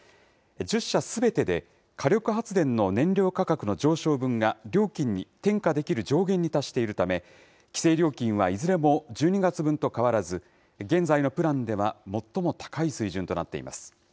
１０社すべてで火力発電の燃料価格の上昇分が料金に転嫁できる上限に達しているため、規制料金はいずれも１２月分と変わらず、現在のプランでは最も高い水準となっています。